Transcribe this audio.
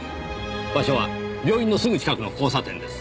場所は病院のすぐ近くの交差点です。